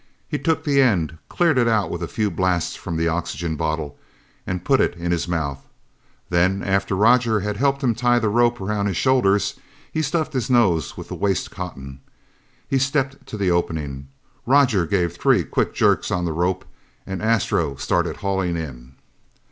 He took the end, cleared it out with a few blasts from the oxygen bottle and put it in his mouth. Then, after Roger had helped him tie the rope around his shoulders, he stuffed his nose with the waste cotton. He stepped to the opening. Roger gave three quick jerks on the rope and Astro started hauling in.